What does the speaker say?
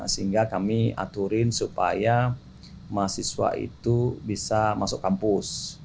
sehingga kami aturin supaya mahasiswa itu bisa masuk kampus